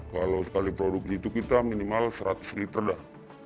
kalau sekali produksi itu kita minimal seratus liter dah